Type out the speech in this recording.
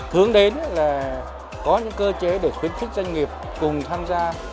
hướng đến là có những cơ chế để khuyến khích doanh nghiệp cùng tham gia